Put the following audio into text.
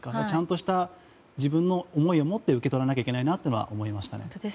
ちゃんとした自分の思いをもって受け取らないといけないなと思いましたね。